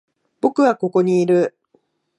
僕はここにいる。